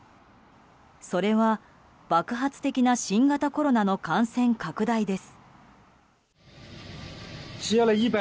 それは、爆発的な新型コロナの感染拡大です。